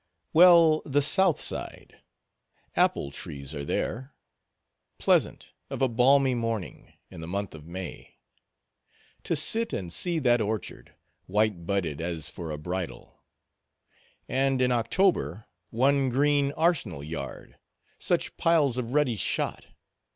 Well, the south side. Apple trees are there. Pleasant, of a balmy morning, in the month of May, to sit and see that orchard, white budded, as for a bridal; and, in October, one green arsenal yard; such piles of ruddy shot.